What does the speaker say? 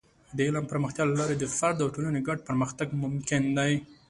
د علم د پراختیا له لارې د فرد او ټولنې ګډ پرمختګ ممکن دی.